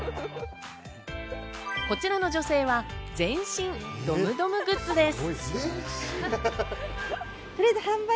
こちらの女性は全身ドムドムグッズです。